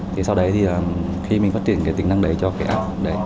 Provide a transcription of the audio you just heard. thì sau đấy thì khi mình phát triển cái tính năng đấy cho cái app đấy